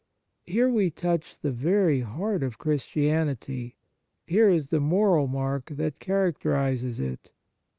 Here we touch the very heart of Christianity : here is the moral mark that characterizes it.